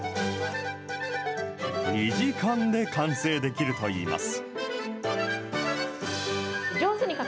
２時間で完成できるといいます。